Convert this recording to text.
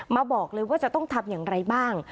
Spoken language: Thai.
มาบอกเลยว่าจะต้องทำอย่างไรบ้าง